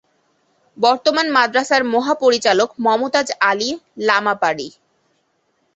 বর্তমান মাদ্রাসার মহাপরিচালক মমতাজ আলী লামাপাড়ী।